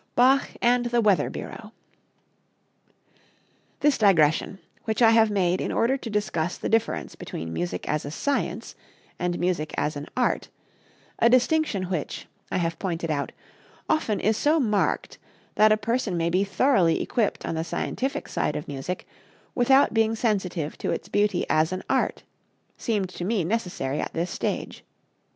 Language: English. Bach and the Weather Bureau. This digression, which I have made in order to discuss the difference between music as a science and music as an art, a distinction which, I have pointed out, often is so marked that a person may be thoroughly equipped on the scientific side of music without being sensitive to its beauty as an art, seemed to me necessary at this stage.